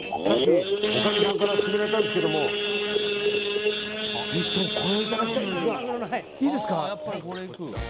さっきおかみさんから勧められたんですけどぜひともこれをいただきたいんですがいいですか？